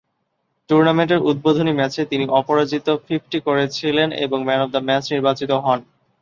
টুর্নামেন্টের উদ্বোধনী ম্যাচে তিনি অপরাজিত ফিফটি করেছিলেন এবং ম্যান অফ দ্য ম্যাচ নির্বাচিত হন।